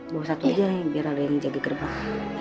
bawa satu aja ya biar ada yang jaga gerbang